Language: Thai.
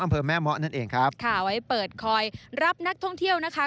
อำเภอแม่เมาะนั่นเองครับค่ะไว้เปิดคอยรับนักท่องเที่ยวนะคะ